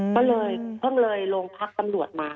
ก็เพิ่งเลยลงพักกำลัวมา